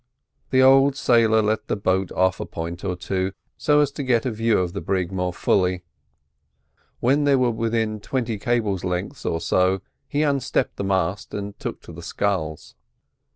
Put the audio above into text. The old sailor let the boat off a point or two, so as to get a view of the brig more fully; when they were within twenty cable lengths or so he unstepped the mast and took to the sculls.